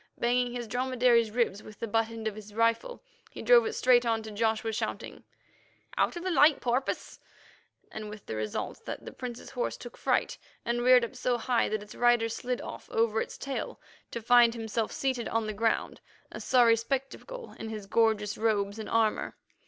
Banging his dromedary's ribs with the butt end of his rifle, he drove it straight on to Joshua, shouting: "Out of the light, porpoise!" with the result that the Prince's horse took fright, and reared up so high that its rider slid off over its tail to find himself seated on the ground, a sorry spectacle in his gorgeous robes and armour.